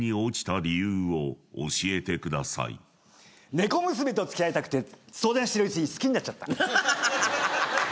猫娘とつき合いたくて相談してるうちに好きになっちゃった。